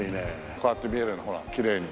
こうやって見えるのきれいに。